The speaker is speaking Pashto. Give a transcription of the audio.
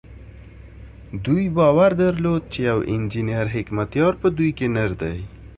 دوی باور درلود چې يو انجنير حکمتیار په دوی کې نر دی.